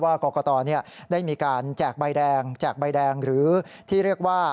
กรกตได้มีการแจกใบแดงแจกใบแดงหรือที่เรียกว่า